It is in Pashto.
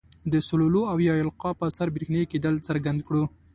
د سولولو او یا القاء په اثر برېښنايي کیدل څرګند کړو.